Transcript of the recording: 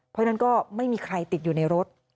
เพราะฉะนั้นก็ไม่มีใครติดอยู่ในรถ